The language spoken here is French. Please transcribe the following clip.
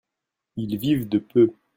Ils vivent de peu.